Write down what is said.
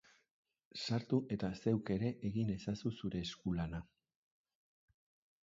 Sartu eta zeuk ere egin ezazu zeure eskulana.